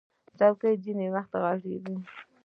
چوکۍ ځینې وخت غټې وي.